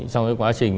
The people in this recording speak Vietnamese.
sau cái quá trình